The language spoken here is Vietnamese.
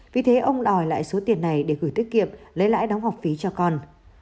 vì thế ông đòi lại số tiền này để gửi tiết kiệm lấy lãi đóng học phí cho con